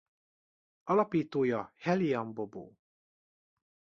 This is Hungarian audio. Alapítója Helian Bobo.